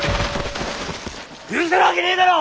許せるわけねえだろ！